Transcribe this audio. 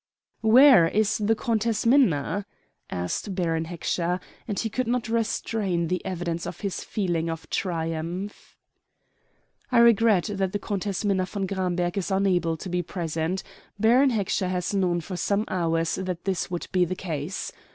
"Where is the Countess Minna?" asked Baron Heckscher; and he could not restrain the evidence of his feeling of triumph. "I regret that the Countess Minna von Gramberg is unable to be present. Baron Heckscher has known for some hours that this would be the case."